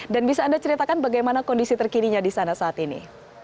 dan bisa anda ceritakan bagaimana kondisi terkininya di sana saat ini